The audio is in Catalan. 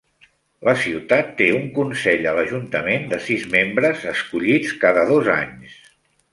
La ciutat té un consell a l'ajuntament de sis membres, escollits cada dos anys.